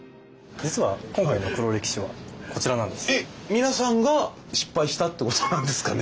皆さんが失敗したってことなんですかね。